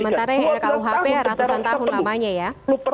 sementara ya kalau hp ratusan tahun lamanya ya